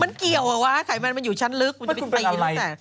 มันเกี่ยวอ่ะวะไขมันมันอยู่ชั้นลึกมันจะไปตีละแต่